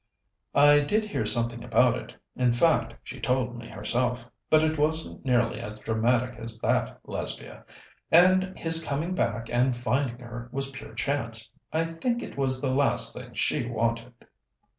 "I did hear something about it in fact, she told me herself, but it wasn't nearly as dramatic as that, Lesbia. And his coming back and finding her was pure chance. I think it was the last thing she wanted."